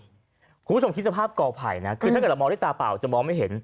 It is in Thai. คุณผู้ชมคิดสภาพกอไผ่นะคือถ้าเกิดเรามองด้วยตาเปล่าจะมองไม่เห็น